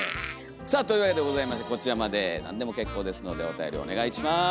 さあというわけでございましてこちらまでなんでも結構ですのでおたよりお願いします。